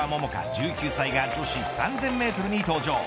１９歳が女子３０００メートルに登場。